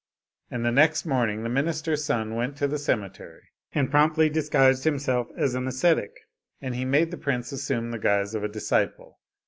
And the next morning the minister's son went to the cemetery, and promptly disguised himself as an ascetic, and he made the prince assume the guise of a disciple.